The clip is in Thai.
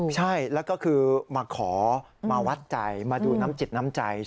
ใช่แล้วก็คือมาขอมาวัดใจมาดูน้ำจิตน้ำใจ